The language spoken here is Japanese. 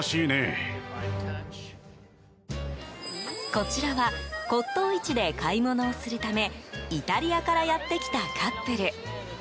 こちらは骨董市で買い物をするためイタリアからやってきたカップル。